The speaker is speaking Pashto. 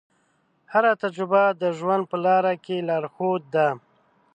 هره تجربه د ژوند په لاره کې لارښود ده.